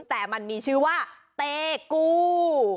แต่มันมีชื่อว่าเตกู